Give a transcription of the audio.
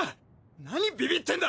なにビビってんだ！